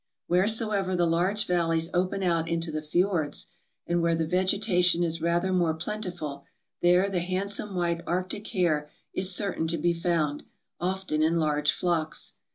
Wheresoever the large valleys open out into the fjords, and where the vegetation is rather more plentiful, there the handsome white arctic hare is certain to be found, often in large flocks.